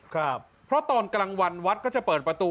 ครับเพราะตอนกลางวันวัดก็จะเปิดประตู